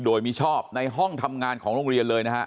โดยมิชอบในห้องทำงานของโรงเรียนเลยนะฮะ